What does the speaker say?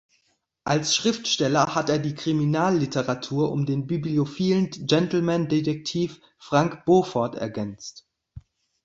Als Schriftsteller hat er die Kriminalliteratur um den bibliophilen Gentleman-Detektiv Frank Beaufort ergänzt.